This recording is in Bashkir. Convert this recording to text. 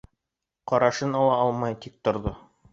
Ҡарашын ала алмай тик торҙо.